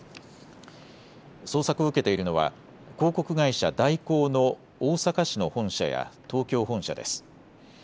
捜索を受けているのは広告会社大広の大阪市の本社や東京本社です。